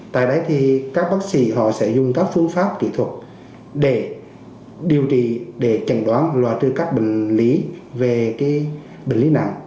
tại đây thì các bác sĩ họ sẽ dùng các phương pháp kỹ thuật để điều trị để chẩn đoán loại trừ các bệnh lý về bệnh lý nặng